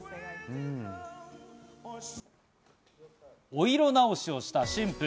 お色直しをした新婦。